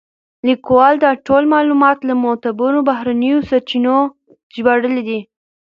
لیکوال دا ټول معلومات له معتبرو بهرنیو سرچینو ژباړلي دي.